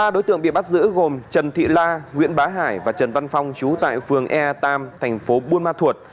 ba đối tượng bị bắt giữ gồm trần thị la nguyễn bá hải và trần văn phong trú tại phường e ba thành phố buôn ma thuột